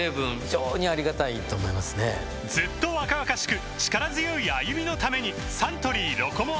ずっと若々しく力強い歩みのためにサントリー「ロコモア」